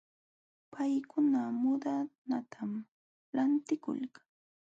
Paykuna muudanatam lantikulkan.